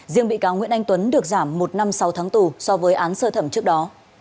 riêng bị cáo nguyễn anh tuấn được giảm một năm sáu tháng tù so với án sơ thẩm trước đó